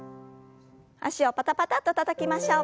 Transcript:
脚をパタパタッとたたきましょう。